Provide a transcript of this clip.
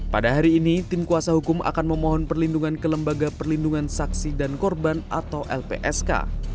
pada hari ini tim kuasa hukum akan memohon perlindungan ke lembaga perlindungan saksi dan korban atau lpsk